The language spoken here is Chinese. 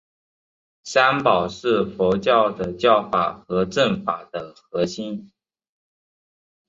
三宝是佛教的教法和证法的核心。